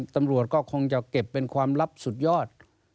ตำรวจก็คงจะเก็บเป็นความลับสุดยอด